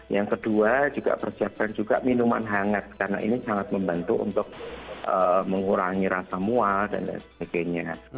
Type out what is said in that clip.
yang kedua juga persiapkan juga minuman hangat karena ini sangat membantu untuk mengurangi rasa mual dan lain sebagainya